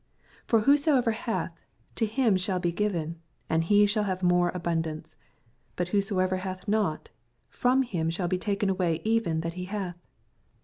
12 For whosoever hath, to him shall he given, and he shall have more abundance : but whosoever hath not, from him shall be taken away even that he hath.